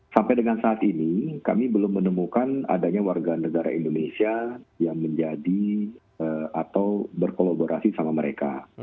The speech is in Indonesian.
sampai dengan saat ini kami belum menemukan adanya warga negara indonesia yang menjadi atau berkolaborasi sama mereka